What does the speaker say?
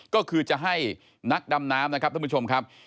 ก็คือจะให้นักดำน้ำนะครับท่านผู้ชมครับ